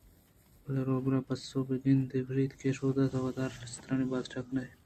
بلے روباہ ءَپسہ ءَ بس کندانءَ گوٛشت او شادو! تو وتارا رسترانی بادشاہ کن ئے